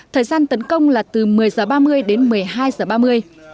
thời gian tấn công là từ một mươi giờ ba mươi đến một mươi hai giờ ba mươi